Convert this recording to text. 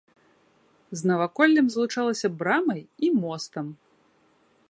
З наваколлем злучалася брамай і мостам.